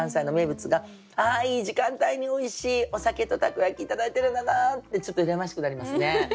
あいい時間帯においしいお酒とたこ焼き頂いてるんだなってちょっと羨ましくなりますね。